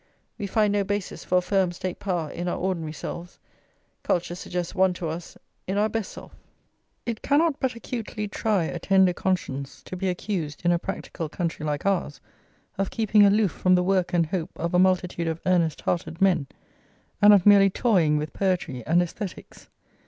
We find no basis for a firm State power in our ordinary selves; culture suggests one to us in our best self. It cannot but acutely try a tender conscience to be accused, in a practical country like ours, of keeping aloof from the work and hope of a multitude of earnest hearted men, and of merely toying with poetry and aesthetics.